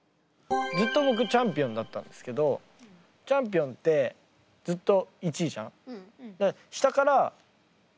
ずっとぼくチャンピオンだったんですけどチャンピオンってずっと１位じゃん。